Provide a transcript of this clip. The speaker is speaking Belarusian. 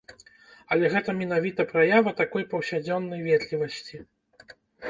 Але гэта менавіта праява такой паўсядзённай ветлівасці.